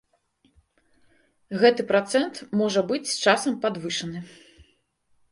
Гэты працэнт можа быць з часам падвышаны.